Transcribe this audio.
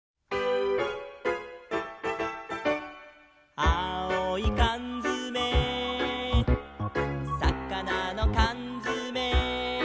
「あおいかんづめ」「さかなのかんづめ」